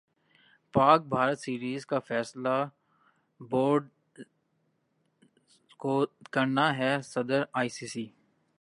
پاک بھارت سیریز کا فیصلہ بورڈ زکو کرنا ہےصدر ائی سی سی